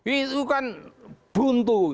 itu kan buntu